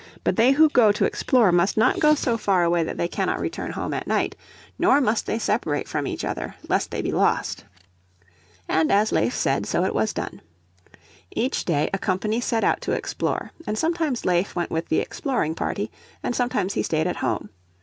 But they who go to explore must not go so far away that they cannot return home at night, nor must they separate from each other, lest they be lost." And as Leif said so it was done. Each day a company set out to explore, and sometimes Leif went with the exploring party, and sometimes he stayed at home.